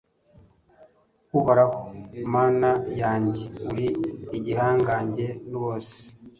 uhoraho, mana yanjye, uri igihangange rwose